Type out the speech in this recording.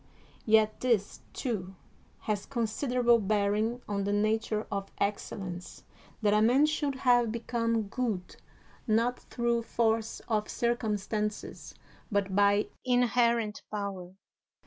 Yet this, too, has considerable bearing on the nature of excellence, that a man should have become good not through force of circumstances but by inherent power.